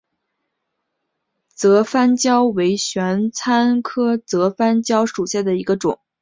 泽番椒为玄参科泽番椒属下的一个种。